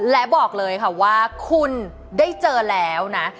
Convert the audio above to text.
และบอกเลยค่ะว่าคุณได้เจอแล้วนะ